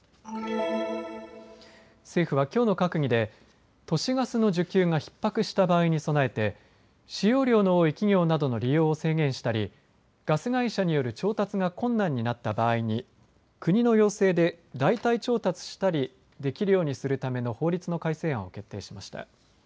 政府はきょうの閣議で都市ガスの需給がひっ迫した場合に備えて使用量の多い企業などの利用を制限したりガス会社による調達が困難になった場合に国の要請で代替調達したりできるようにするための法律の改正案を決定しました。